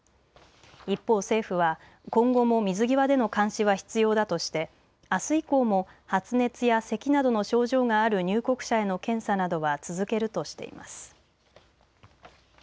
一方、政府は今後も水際での監視は必要だとして、あす以降も発熱やせきなどの症状がある入国者への検査などは続けるとしています。